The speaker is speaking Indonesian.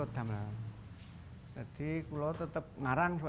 jadi kalau tetap ngarang